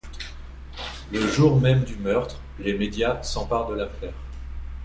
Le jour même du meurtre, les médias s'emparent de l'affaire.